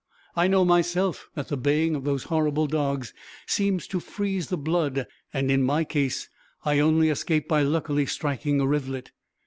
I know, myself, that the baying of those horrible dogs seems to freeze the blood; and in my case, I only escaped by luckily striking a rivulet.